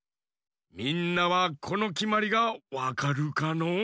みんなはこのきまりがわかるかのう？